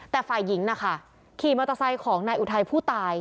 แต่ฝ่ายหญิงนะคะขี่มอเตอร์ไซค์ของนายอุทัยผู้ตาย